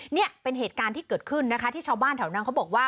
นี่เป็นเหตุการณ์ที่เกิดขึ้นนะคะที่ชาวบ้านแถวนั้นเขาบอกว่า